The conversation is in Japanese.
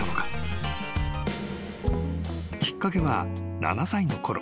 ［きっかけは７歳のころ］